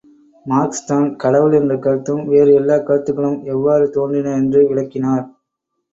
மார்க்ஸ்தான் கடவுள் என்ற கருத்தும், வேறு எல்லாக் கருத்துக்களும் எவ்வாறு தோன்றின என்று விளக்கினார்.